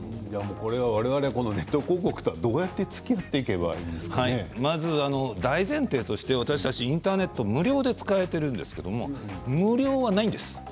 ネット広告というのはどうやってつきあっていけば大前提としてインターネットは無料で使えているんですけど無料はないんです。